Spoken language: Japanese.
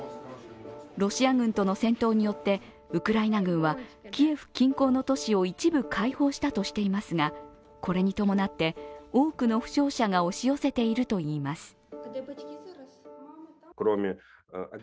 ロシア軍との戦闘によってウクライナ軍はキエフ近郊の都市を一部開放したとしていますがこれに伴って多くの負傷者が押し寄せているといいます。